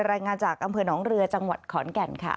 รายงานจากกนเรือจังหวัดขอนแก่นค่ะ